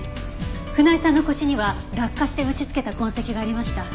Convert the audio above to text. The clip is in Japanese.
船井さんの腰には落下して打ちつけた痕跡がありました。